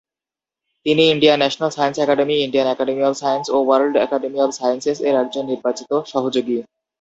তিনি Indian National Science Academy, Indian Academy of Science এবং World Academy of Sciences এর একজন নির্বাচিত সহযোগী।